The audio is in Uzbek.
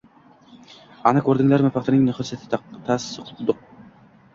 Ana ko‘rdinglarmi paxtaning xosiyatini, tasadduqlar.